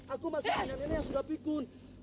aku masih ingin nenek yang sudah pikun